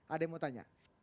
ada yang mau tanya